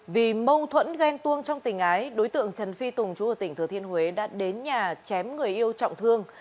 vì mâu thuẫn ghen tuông trong tình ái đối tượng trần phi tùng chú ở tỉnh thừa thiên huế đã đến nhà chém người yêu trọng thương